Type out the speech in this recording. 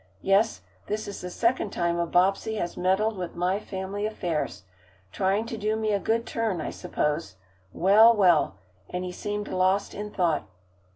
Yes, this is the second time a Bobbsey has meddled with my family affairs. Trying to do me a good turn, I suppose. Well, well!" and he seemed lost in thought.